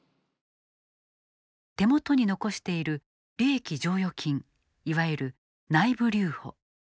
手元に残している利益剰余金いわゆる内部留保。